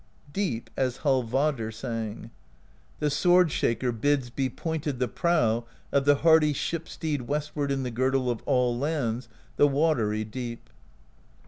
^ Deep, as Hallvardr sang: The Sword Shaker bids be pointed The prow of the hardy ship steed Westward in the girdle Of all lands, the Watery Deep.